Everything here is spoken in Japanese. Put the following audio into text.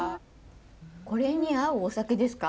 これに合うお酒ですか？